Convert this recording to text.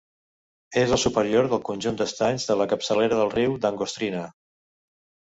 És el superior del conjunt d'estanys de la capçalera del riu d'Angostrina.